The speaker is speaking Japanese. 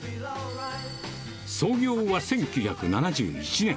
創業は１９７１年。